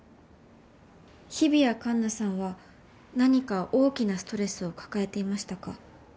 日比谷カンナさんは何か大きなストレスを抱えていましたか？